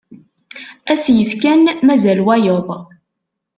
Ass yefkan mazal wayeḍ.